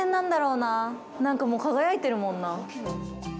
なんか、もう輝いているもんな。